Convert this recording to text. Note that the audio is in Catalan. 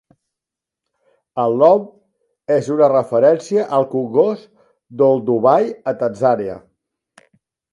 El nom és una referència al congost d'Olduvai a Tanzània.